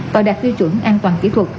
và đạt tiêu chuẩn an toàn kỹ thuật